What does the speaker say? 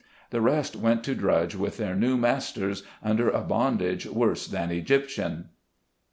The rest went to drudge with their new masters, under a bondage worse than Egyptian.